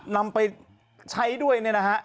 นำไปใช้ด้วย